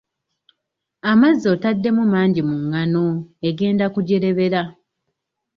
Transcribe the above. Amazzi otaddemu mangi mu ngano egenda kujerebera.